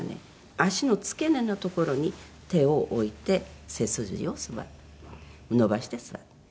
足の付け根のところに手を置いて背筋を伸ばして座る」。